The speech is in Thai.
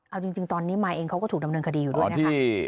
เอาจริงตอนนี้มายเองเขาก็ถูกดำเนินคดีอยู่ด้วยนะคะ